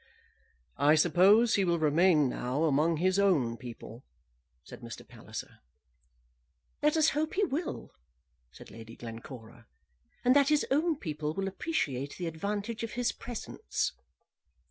"I suppose he will remain now among his own people," said Mr. Palliser. "Let us hope he will," said Lady Glencora, "and that his own people will appreciate the advantage of his presence."